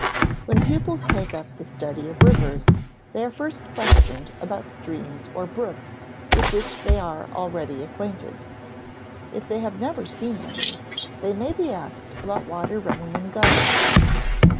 When pupils take up the study of rivers, they are first questioned about streams or brooks with which they are already acquainted; if they have never seen any, they may be asked about water running in gutters.